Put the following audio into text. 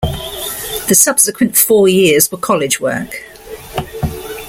The subsequent four years were college work.